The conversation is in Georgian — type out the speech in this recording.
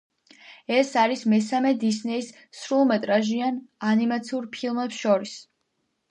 ეს არის მესამე დისნეის სრულმეტრაჟიან ანიმაციურ ფილმებს შორის.